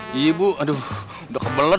iya ibu aduh udah kebelet